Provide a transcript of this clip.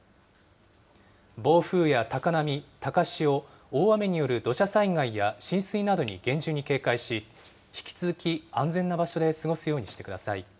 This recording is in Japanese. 暴風や高波、高潮、大雨による土砂災害や浸水などに厳重に警戒し、引き続き安全な場所で過ごすようにしてください。